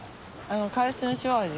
海鮮塩味。